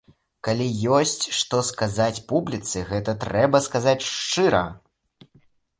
Калі ёсць, што сказаць публіцы, гэта трэба сказаць шчыра.